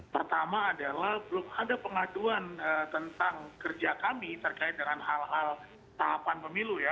pertama adalah belum ada pengaduan tentang kerja kami terkait dengan hal hal tahapan pemilu ya